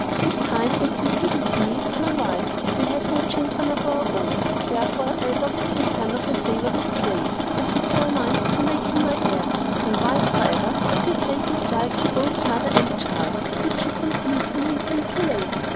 This hind that you see with me is my wife. We have no children of our own, therefore I adopted the son of a favorite slave, and determined to make him my heir. My wife, however, took a great dislike to both mother and child, which she concealed from me till too late.